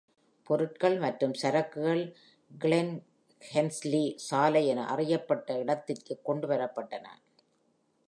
பொருட்கள் மற்றும் சரக்குகள் க்ளென் ஹன்ட்லி சாலை என அறியப்பட்ட இடத்திற்கு கொண்டு வரப்பட்டன.